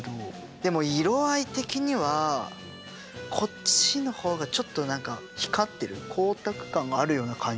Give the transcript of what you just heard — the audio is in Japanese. でも色合い的にはこっちの方がちょっと何か光ってる光沢感があるような感じ？